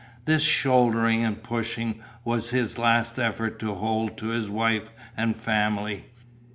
This shouldering and pushing was his last effort to hold to his wife and family.